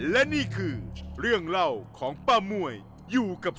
และนี่คือเรื่องเล่าของป้าม่วย